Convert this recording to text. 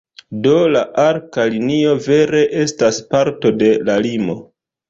Do la arka linio vere estas parto de la limo.